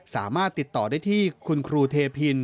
สามารถติดต่อได้ที่คุณครูเทพิน